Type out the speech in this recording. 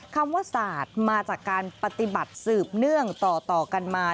คำว่าศาสตร์มาจากการปฏิบัติสืบเนื่องต่อกันมา